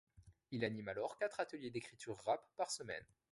Il anime alors quatre ateliers d'écriture rap par semaine.